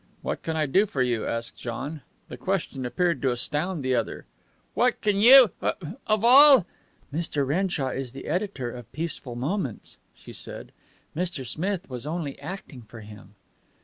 "What can I do for you?" asked John. The question appeared to astound the other. "What can you ! Of all !" "Mr. Renshaw is the editor of Peaceful Moments," she said. "Mr. Smith was only acting for him."